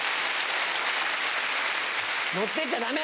乗ってっちゃダメ